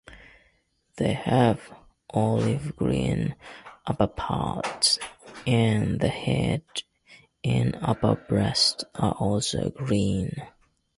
They have olive-green upperparts, and the head and upper breast are also green.